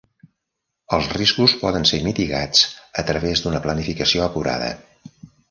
Els riscos poden ser mitigats a través d'una planificació acurada.